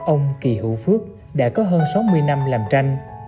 ông kỳ hữu phước đã có hơn sáu mươi năm làm tranh